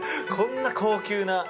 こんな高級な。